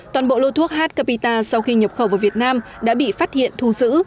toàn bộ lô thuốc h capita sau khi nhập khẩu vào việt nam đã bị phát hiện thu giữ